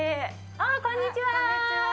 こんにちは。